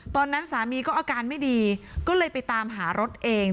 ตอนนั้นสามีก็อาการไม่ดีก็เลยไปตามหารถเอง